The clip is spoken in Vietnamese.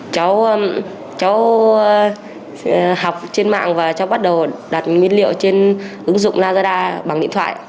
cháu cháu học trên mạng và cháu bắt đầu đặt nguyên liệu trên ứng dụng lazada bằng điện thoại